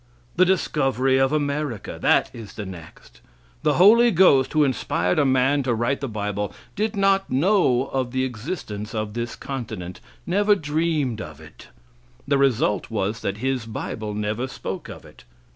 The discovery of America. That is the next. The Holy Ghost, who inspired a man to write the bible, did not know of the existence of this continent, never dreamed of it; the result was that His bible never spoke of it.